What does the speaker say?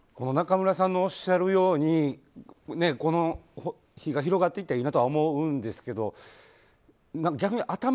中村さんのおっしゃるようにこの動きが広がっていったらいいなとは思うんですけど逆に頭